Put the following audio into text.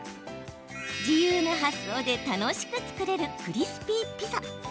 自由な発想で楽しく作れるクリスピーピザ。